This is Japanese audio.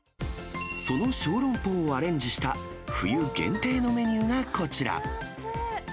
その小籠包をアレンジした冬限定のメニューがこちら。